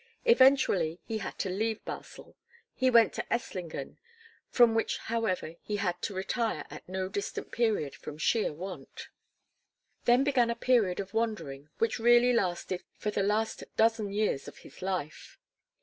Eventually he had to leave Basel. He went to Esslingen, from which however he had to retire at no distant period from sheer want. Then began a period of wandering which really lasted for the last dozen years of his life.